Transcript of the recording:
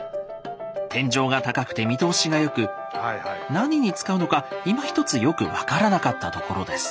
天井が高くて見通しが良く何に使うのかいまひとつよく分からなかったところです。